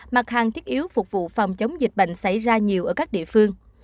mặt hàng thiết yếu phục vụ phòng chống dịch bệnh xảy ra nhiều ở các địa phương